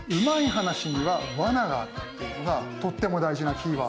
でっていうのがとっても大事なキーワードです。